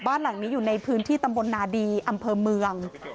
บ้านหลังนี้อยู่ในพื้นที่ตำบลนาดีอำเภอเมือง